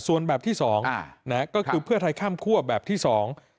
ส่วนแบบที่สองอ่านะฮะก็คือเพื่อไทยข้ามคั่วแบบที่สอง